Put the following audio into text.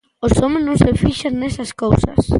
Os homes non se fixan nesas cousas.